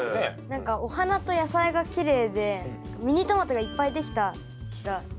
何かお花と野菜がきれいでミニトマトがいっぱいできた気がします。